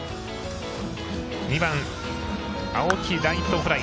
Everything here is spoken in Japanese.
２番、青木ライトフライ。